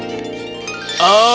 hahaha terima kasih ayah